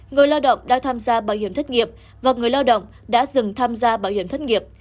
người lao động đang tham gia bảo hiểm thất nghiệp và người lao động đã dừng tham gia bảo hiểm thất nghiệp